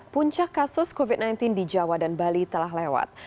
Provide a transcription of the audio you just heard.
puncak kasus covid sembilan belas di jawa dan bali telah lewat